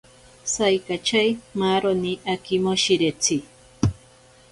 Saikachei maaroni akimoshiretsi.